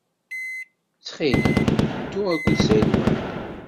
Ttxil-m, ddu akked Saɛid Waɛli.